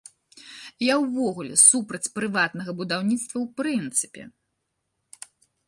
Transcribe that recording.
Я ўвогуле супраць прыватнага будаўніцтва ў прынцыпе.